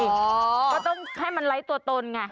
ก็ต้องให้มันไร้ตัวตนไง